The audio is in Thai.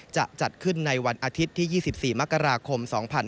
จะจัดขึ้นในวันอาทิตย์ที่๒๔มกราคม๒๕๖๒